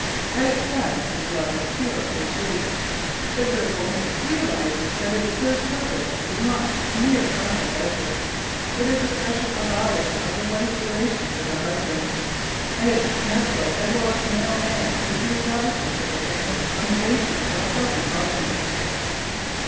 At its best this love is pure and chaste. The good woman realizes that its first purpose is not mere carnal pleasure. It is a special avowal of the wife's relations to her husband, and its natural as well as moral end is the establishment of the family on the basis of a healthy progeny.